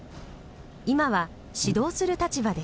今は指導する立場です。